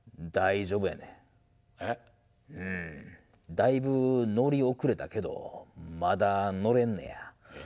だいぶ乗り遅れたけどまだ乗れんねや。